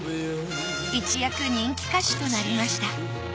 一躍人気歌手となりました